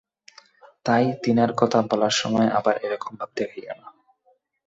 তাই তিনার কথা বলার সময় আবার এরকম ভাব দেখাইও না।